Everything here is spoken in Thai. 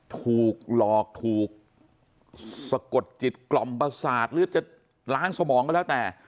ถูกหลอกถูกสะกดจิตกล่อมประสาทหรือจะล้างสมองก็แล้วแต่